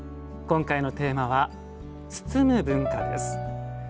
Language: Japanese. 今回のテーマは包む文化です。